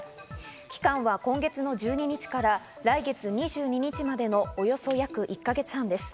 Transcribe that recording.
期間は今月の１２日から来月２２日までの、およそ１か月半です。